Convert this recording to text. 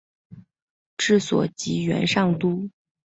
治所即元上都。